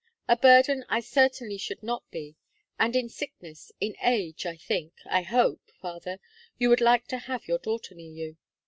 A burden I certainly should not be; and in sickness, in age, I think, I hope, father, you would like to have your daughter near you.